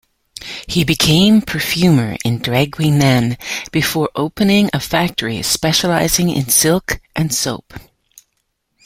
He became perfumer in Draguignan before opening a factory specializing in silk and soap.